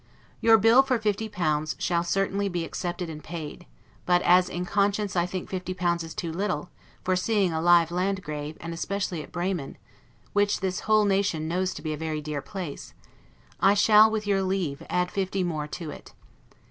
Your bill for fifty pounds shall certainly be accepted and paid; but, as in conscience I think fifty pounds is too little, for seeing a live Landgrave, and especially at Bremen, which this whole nation knows to be a very dear place, I shall, with your leave, add fifty more to it.